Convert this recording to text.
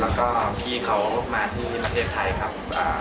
แล้วก็พี่เขามาที่ประเทศไทยครับ